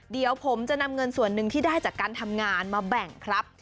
เดี๋ยวผมจะนำเงินส่วนหนึ่งที่ได้จากการทำงานมาแบ่งครับ